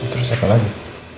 terus siapa lagi